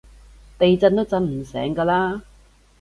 地震都震唔醒㗎喇